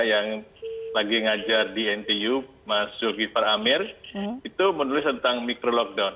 yang lagi mengajar di ntu mas yogi faramir itu menulis tentang micro lockdown